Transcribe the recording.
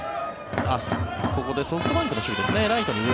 ここでソフトバンクの守備ですね。